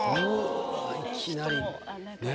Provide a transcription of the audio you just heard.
いきなり。